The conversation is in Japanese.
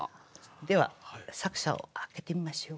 では作者を開けてみましょう。